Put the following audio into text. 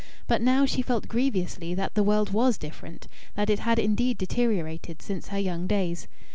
But now she felt grievously that the world was different that it had indeed deteriorated since her young days.